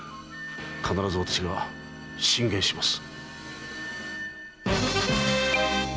必ず私が進言します。